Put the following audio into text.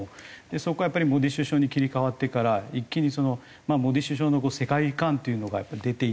そこはやっぱりモディ首相に切り替わってから一気にモディ首相の世界観っていうのが出ていて。